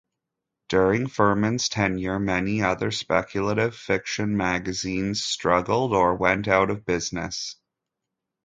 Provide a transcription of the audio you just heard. During Ferman's tenure, many other speculative fiction magazines struggled or went out of business.